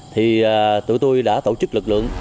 thì tụi tôi đã tổ chức lực lượng